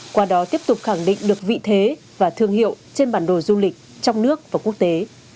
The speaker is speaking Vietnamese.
qua đó tiếp tục khẳng định được vị thế và thương hiệu trên bản đồ du lịch trong nước và quốc tế